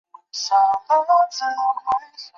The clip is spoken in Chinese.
成化十七年辛丑科进士。